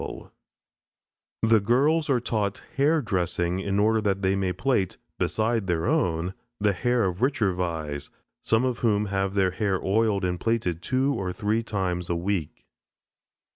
The girls are taught hair dressing in order that they may plait, beside their own, the hair of the richer Vais, some of whom have their hair oiled and plaited two or three times a week.